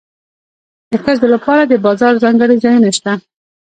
د ښځو لپاره د بازار ځانګړي ځایونه شته